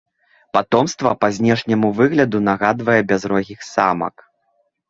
Патомства па знешняму выгляду нагадвае бязрогіх самак.